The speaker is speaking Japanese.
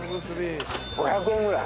５００円ぐらい？